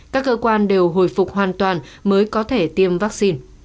các cơ quan đều hồi phục hoàn toàn mới có thể tiêm vaccine